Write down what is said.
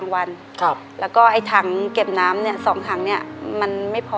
ในแคมเปญพิเศษเกมต่อชีวิตโรงเรียนของหนู